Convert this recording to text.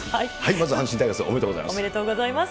まず阪神タイガース、おめでとうおめでとうございます。